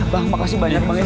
bang makasih banyak bang